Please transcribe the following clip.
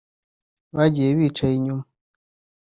bagiye bicaye inyuma